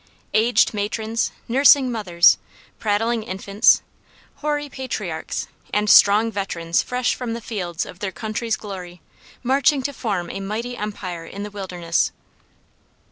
Aged matrons, nursing mothers, prattling infants, hoary patriarchs, and strong veterans fresh from the fields of their country's glory, marching to form a mighty empire in the wilderness!